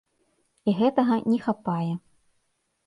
І гэтага не хапае.